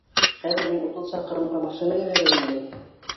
Хәҙер мин утыҙ саҡрымға машина ебәрәйемме?